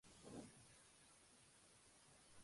Kingston está situado a la orilla del río Támesis.